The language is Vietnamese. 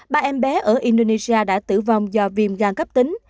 ba em bé ở indonesia đã tử vong do viêm gan cấp tính